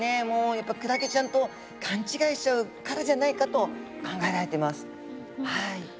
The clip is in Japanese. もうやっぱクラゲちゃんと勘違いしちゃうからじゃないかと考えられてます。